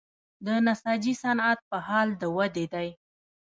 د نساجي صنعت په حال د ودې دی